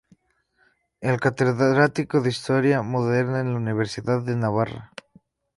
Es catedrático de Historia Moderna en la Universidad de Navarra.